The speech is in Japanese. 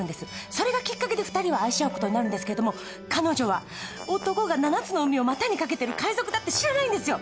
それがきっかけで二人は愛し合うことになるんですけど彼女は男が七つの海を股に掛けてる海賊だって知らないんですよ。